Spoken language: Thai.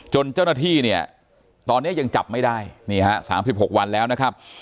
เจ้าหน้าที่เนี่ยตอนนี้ยังจับไม่ได้นี่ฮะ๓๖วันแล้วนะครับ